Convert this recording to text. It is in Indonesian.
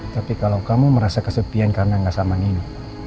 tapi kalau kamu merasa kesepian karena gak sama nino